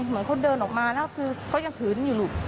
มันเดินออกมาแล้วเขายังถืออยู่